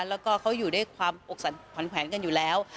แล้วก็เขาอยู่ด้วยความอกสั่นขวัญแขวนกันอยู่แล้ว